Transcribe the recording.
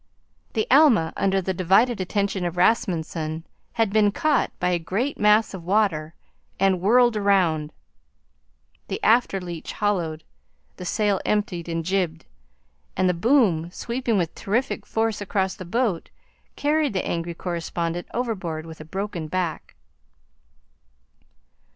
The Alma, under the divided attention of Rasmunsen, had been caught by a great mass of water and whirled around. The after leach hollowed, the sail emptied and jibed, and the boom, sweeping with terrific force across the boat, carried the angry correspondent overboard with a broken back.